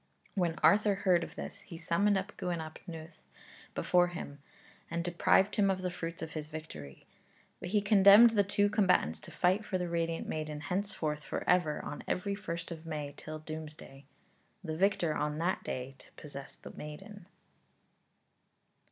When Arthur heard of this he summoned Gwyn ap Nudd before him, and deprived him of the fruits of his victory. But he condemned the two combatants to fight for the radiant maiden henceforth for ever on every first of May till doomsday; the victor on that day to possess the maiden.